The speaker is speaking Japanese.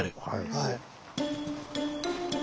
はい。